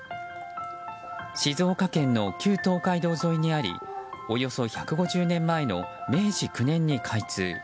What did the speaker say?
静岡県の旧東海道沿いにありおよそ１５０年前の明治９年に開通。